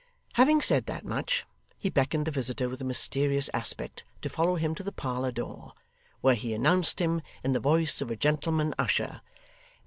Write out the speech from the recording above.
Having said that much, he beckoned the visitor with a mysterious aspect to follow him to the parlour door, where he announced him in the voice of a gentleman usher.